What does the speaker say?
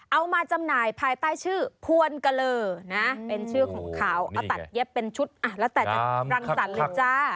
เอามาจำหน่ายภายใต้ชื่อพวนกะเลอนะเป็นชื่อของเขาเอาตัดเย็บเป็นชุดอ่ะแล้วแต่จะรังสรรค์เลยจ้า